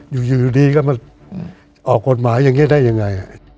อยู่ดีก็มันออกกฎหมายังงี้ได้ยังไง